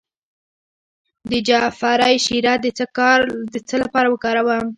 د جعفری شیره د څه لپاره وکاروم؟